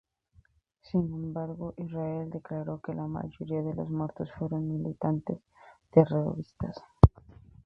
Sin embargo Israel declaró que la mayoría de los muertos fueron militantes terroristas.